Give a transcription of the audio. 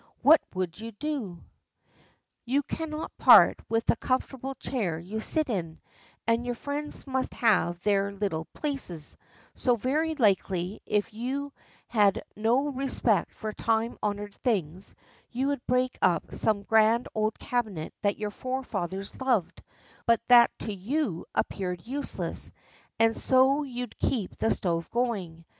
What would you do? You cannot part with the comfortable chair you sit in, and your friends must have their little places; so very likely, if you had no respect for time honoured things, you would break up some grand old cabinet that your forefathers loved, but that to you appeared useless, and so you'd keep the stove going.